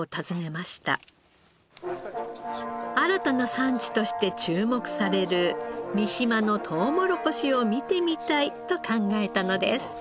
新たな産地として注目される三島のとうもろこしを見てみたいと考えたのです。